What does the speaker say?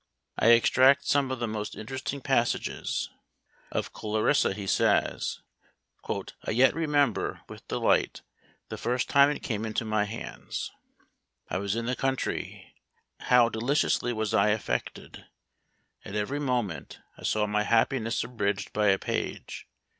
I extract some of the most interesting passages. Of Clarissa he says, "I yet remember with delight the first time it came into my hands. I was in the country. How deliciously was I affected! At every moment I saw my happiness abridged by a page.